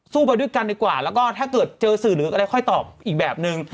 สู้ไปด้วยกันดีกว่าถ้าเกิดเจอสื่อหลักก็ได้ค่อยตอบอีกแบบหนึ่ง